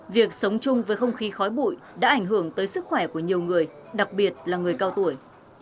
việc sống chung với không khí khói bụi đã ảnh hưởng tới sức khỏe của nhiều người đặc biệt là người cao tuổi